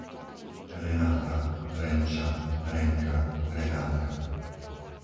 Renáta, Renča, Renka, Renátka